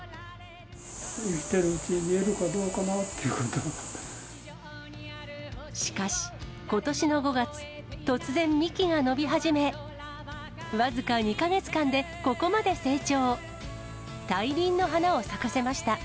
生きてるうちに見れるかどうしかし、ことしの５月、突然、幹が伸び始め、僅か２か月間でここまで成長。